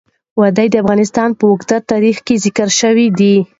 وادي د افغانستان په اوږده تاریخ کې ذکر شوی دی.